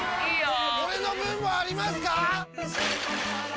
俺の分もありますか！？